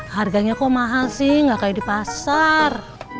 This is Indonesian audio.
harganya kok mahal sih nggak kayak di pasar